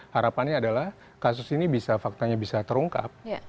harapannya adalah kasus ini bisa faktanya bisa terungkap